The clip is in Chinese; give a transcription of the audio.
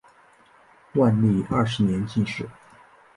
万历二十年进士。